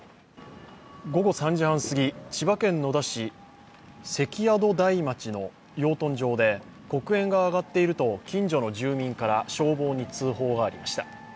午後３時半すぎ、千葉県野田市関宿台町の養豚場で、黒煙が上がっていると近所の住民から消防に通報がありました。